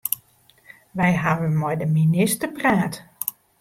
Wy hawwe mei de minister praat.